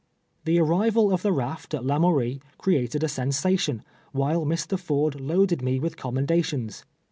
The arrival of the raft at Lamourie created a sen sation, while Mr. Ford loaded me with commenda tions.